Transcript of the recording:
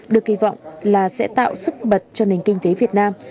được kỳ vọng là sẽ tạo sức bật cho nền kinh tế việt nam